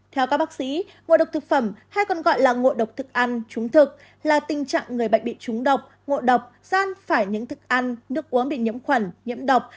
theo các bác sĩ ngộ độc thực phẩm hay còn gọi là ngộ độc thực ăn trúng thực là tình trạng người bệnh bị trúng độc ngộ độc san phải những thức ăn nước uống bị nhiễm khuẩn nhiễm độc